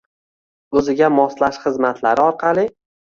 O’ziga moslash xizmatlari orqali